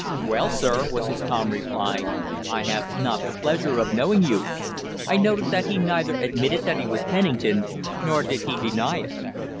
"Well, sir," was his calm reply, "I have not the pleasure of knowing you." I noted that he neither admitted that he was Pennington, nor did he deny it.